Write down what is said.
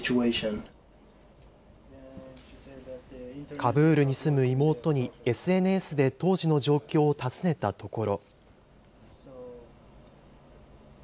カブールに住む妹にＳＮＳで当時の状況を尋ねたところ。